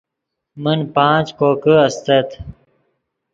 من پانچ کوکے استت